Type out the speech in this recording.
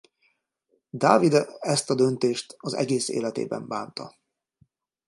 Davide ezt a döntést az egész életében bánta.